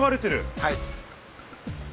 はい。